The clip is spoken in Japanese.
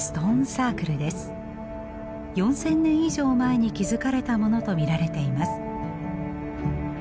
４，０００年以上前に築かれたものと見られています。